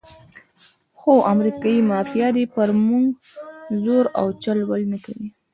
خو امریکایي مافیا دې پر موږ زور او چل ول نه کوي.